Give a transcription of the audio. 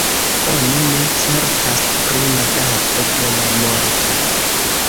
Oni ne certas pri la dato de la morto.